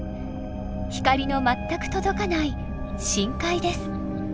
光の全く届かない深海です。